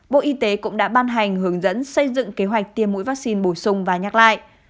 bộ y tế cũng đã ban hành hướng dẫn xây dựng kế hoạch tiêm mũi vaccine bổ sung và nhắc lại